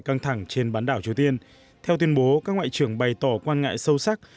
căng thẳng trên bán đảo triều tiên theo tuyên bố các ngoại trưởng bày tỏ quan ngại sâu sắc